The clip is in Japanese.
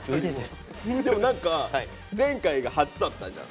でも何か前回が初だったじゃん